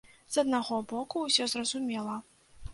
З аднаго боку, усё зразумела.